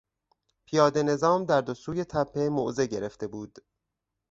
پیاده نظام در دو سوی تپه موضع گرفته بود.